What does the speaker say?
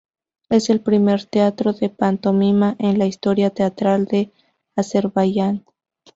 Es el primer teatro de pantomima en la historia teatral de Azerbaiyán.